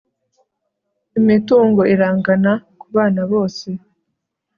umitungo irangana kubana bose